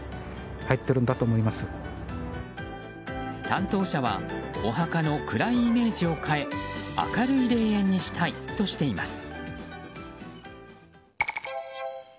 担当者はお墓の暗いイメージを変え明るい霊園にしたいとしています。